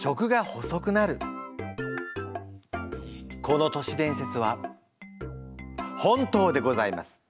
この年伝説は本当でございます！